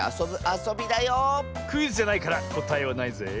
クイズじゃないからこたえはないぜ。